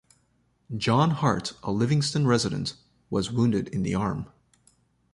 John Hart, a Livingston resident, was wounded in the arm.